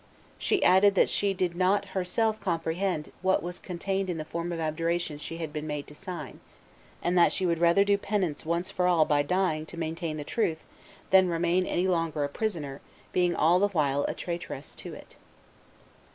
She added that she did not herself comprehend what was contained in the form of abjuration she had been made to sign, and that she would rather do penance once for all by dying to maintain the truth than remain any longer a prisoner, being all the while a traitress to it."